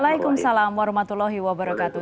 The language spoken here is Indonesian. waalaikumsalam warahmatullahi wabarakatuh